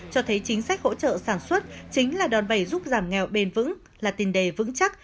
cho thấy chính sách hỗ trợ sản xuất chính là đòn bẩy giúp giảm nghèo bền vững là tiền đề vững chắc